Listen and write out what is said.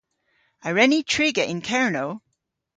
A wren ni triga yn Kernow?